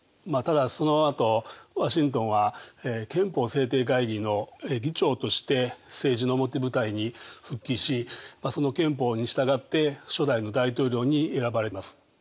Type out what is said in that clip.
ただそのあとワシントンは憲法制定会議の議長として政治の表舞台に復帰しその憲法に従って初代の大統領に選ばれます。